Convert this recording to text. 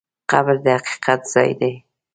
قبر د حقیقت ځای دی.